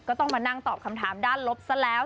ก็ต้องมานั่งตอบคำถามด้านลบซะแล้ว